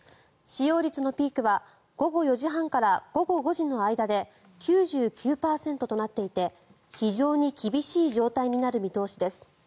使用率のピークは午後４時半から午後５時の間で９９％となっていて非常に厳しい状態になる見通しです。